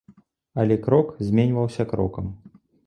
Але крок зменьваўся крокам.